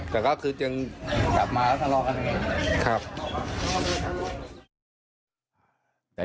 แต่ก็คือต้องกลับมากำลังรอกัน